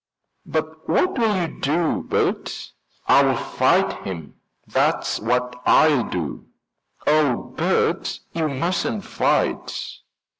"But what will you do, Bert?" "I'll fight him, that's what I'll do." "Oh, Bert, you mustn't fight."